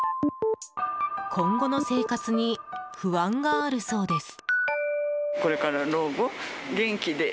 今後の生活に不安があるそうです。